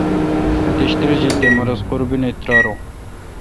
اتیش تریجیل تے مہ رس قربینی تہ تریارون۔